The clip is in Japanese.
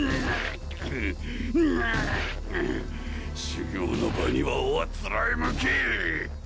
修行の場にはおあつらえ向き！